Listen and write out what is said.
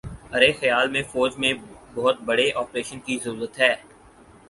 ارے خیال میں فوج میں بہت بڑے آپریشن کی ضرورت ہے